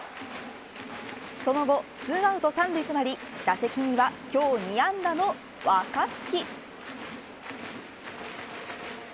その後ツーアウト３塁となり打席には今日２安打の若月。